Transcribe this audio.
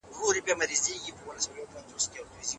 پښتورګي د بدن د مضر موادو د کنټرول لپاره کار کوي.